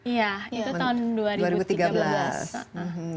iya itu tahun dua ribu tiga belas